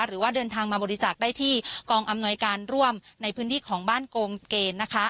หรือว่าเดินทางมาบริจาคได้ที่กองอำนวยการร่วมในพื้นที่ของบ้านโกงเกณฑ์นะคะ